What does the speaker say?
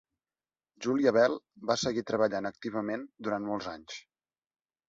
Julia Bell va seguir treballant activament durant molts anys.